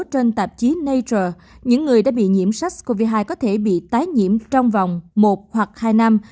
trên tạp chí nature những người đã bị nhiễm sars cov hai có thể bị tái nhiễm trong vòng một hoặc hai năm